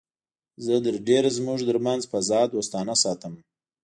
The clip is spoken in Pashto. زه تر ډېره زموږ تر منځ فضا دوستانه ساتم